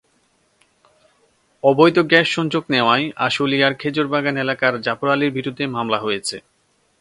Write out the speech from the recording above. অবৈধ গ্যাস-সংযোগ নেওয়ায় আশুলিয়ার খেজুরবাগান এলাকার জাফর আলীর বিরুদ্ধে মামলা হয়েছে।